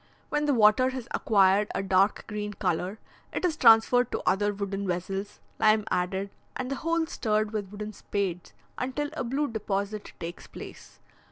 When the water has acquired a dark green colour, it is transferred to other wooden vessels, lime added, and the whole stirred with wooden spades until a blue deposit takes place.